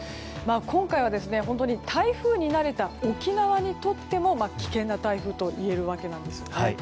今回は台風に慣れた沖縄にとっても危険な台風といえるわけなんですよね。